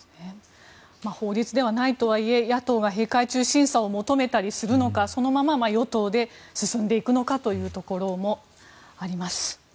法律ではないとはいえ野党が閉会中審査を求めたりするのかそのまま与党で進んでいくのかというところもあります。